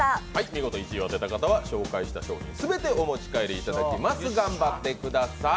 見事、１位を当てた方は紹介した商品すべて、お持ち帰りいただけます頑張ってください。